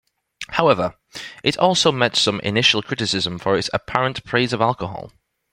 However, it also met some initial criticism for its apparent praise of alcohol.